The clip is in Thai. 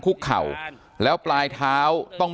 การแก้เคล็ดบางอย่างแค่นั้นเอง